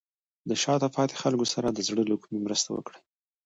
د شاته پاتې خلکو سره د زړه له کومې مرسته وکړئ.